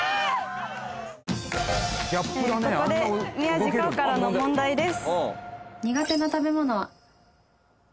「ここで宮治果緒からの問題です」